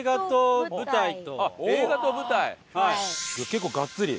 結構がっつり。